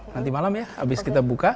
nanti malam ya